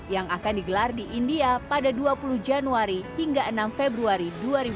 yang akan digelar di india pada dua puluh januari hingga enam februari dua ribu dua puluh